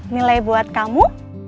nilai buat kamu